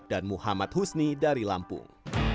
dan muhammad husni dari lampung